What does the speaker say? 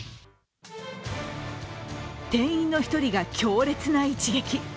店員の１人が強烈な一撃。